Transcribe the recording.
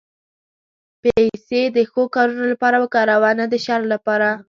پېسې د ښو کارونو لپاره وکاروه، نه د شر لپاره.